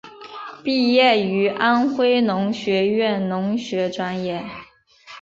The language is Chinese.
毕业于安徽农学院农学专业。